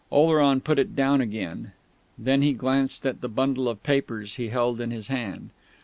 Oleron put it down again; then he glanced at the bundle of papers he held in his hand.